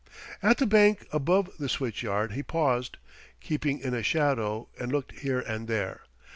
At the bank above the switch yard he paused, keeping in a shadow, and looked here and there.